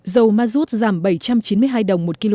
dầu ma rút giảm bảy trăm chín mươi hai đồng một kg